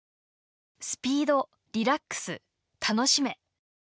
「スピード」「リラックス」「たのしめ！！」。